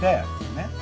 ねっ？